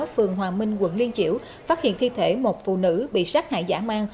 phường hòa minh quận liên chiểu phát hiện thi thể một phụ nữ bị sát hại giả mang